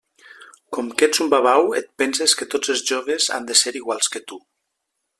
Com que ets un babau, et penses que tots els joves han de ser iguals que tu.